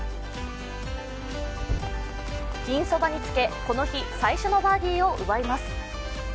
ピンそばにつけ、この日最初のバーディーを奪います。